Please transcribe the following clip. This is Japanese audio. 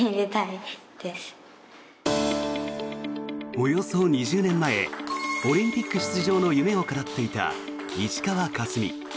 およそ２０年前オリンピック出場の夢を語っていた石川佳純。